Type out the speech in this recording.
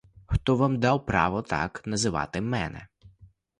Хто вам дав право так називати мене?!